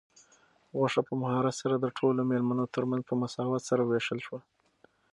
غوښه په مهارت سره د ټولو مېلمنو تر منځ په مساوات سره وویشل شوه.